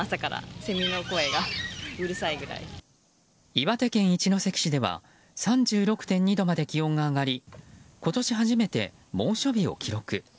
岩手県一関市では３６．２度まで気温が上がり今年初めて猛暑日を記録。